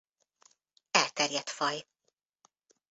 Elterjedt faj.